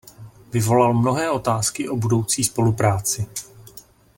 Vyvolal mnohé otázky o budoucí spolupráci.